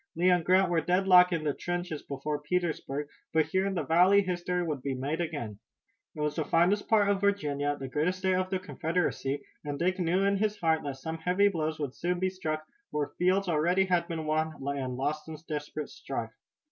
Lee and Grant were deadlocked in the trenches before Petersburg, but here in the valley history would be made again. It was the finest part of Virginia, the greatest state of the Confederacy, and Dick knew in his heart that some heavy blows would soon be struck, where fields already had been won and lost in desperate strife.